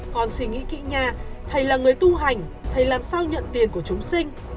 con suy nghĩ kỹ nha thầy là người tu hành thầy làm sao nhận tiền của chúng sinh